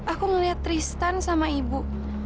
aku ngeliat tristan sama ibu